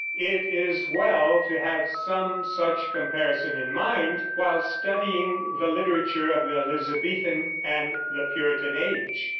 It is well to have some such comparison in mind while studying the literature of the Elizabethan and the Puritan Age.